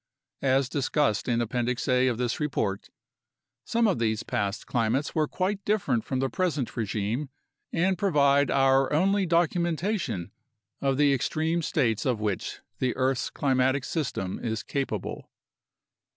As discussed in Appendix A of this report, some of these past climates were quite different from the present regime and provide our only documentation of the extreme states of which the earth's climatic system is capable.